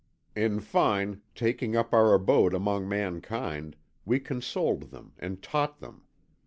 "In fine, taking up our abode among mankind, we consoled them and taught them.